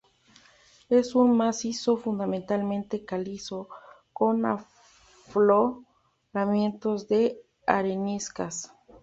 Es un macizo fundamentalmente calizo, con afloramientos de areniscas.